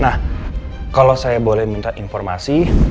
nah kalau saya boleh minta informasi